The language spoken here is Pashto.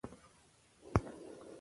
هیڅوک په کوټه کې د ده تر څنګ نه وو.